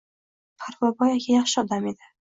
– “Parfiboy aka yaxshi odam edi.